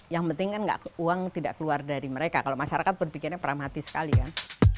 yang penting kan uang tidak keluar dari mereka kalau masyarakat berpikirnya pragmatis sekali kan